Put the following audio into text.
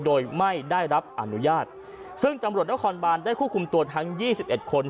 โดยไม่ได้รับอนุญาตซึ่งตำรวจนครบานได้ควบคุมตัวทั้งยี่สิบเอ็ดคน